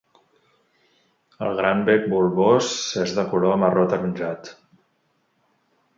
El gran bec bulbós és de color marró ataronjat.